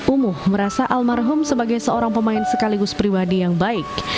umuh merasa almarhum sebagai seorang pemain sekaligus pribadi yang baik